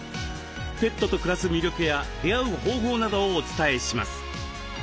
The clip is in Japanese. ペットと暮らす魅力や出会う方法などをお伝えします。